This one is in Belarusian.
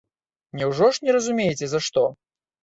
Няўжо ж не разумееце за што?